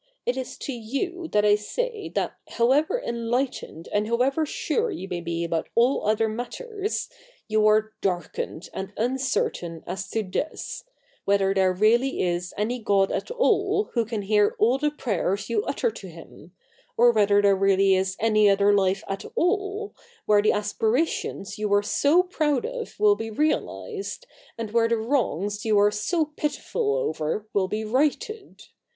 It is to you that I say that, how ever enlightened and however sure you may be about all other matters, you are darkened and uncertain as to this CH. i] THE NEW REPUBLIC 245 — whether there really is any God at all who can hear all the prayers you utter to Him, or whether there really is any other life at all, where the aspirations you are so proud of will be realised, and where the wrongs you are so pitiful over will be righted.